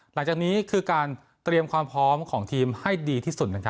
หลังจากนี้คือการเตรียมความพร้อมของทีมให้ดีที่สุด